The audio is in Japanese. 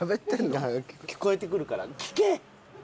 だから聞こえてくるから聞け！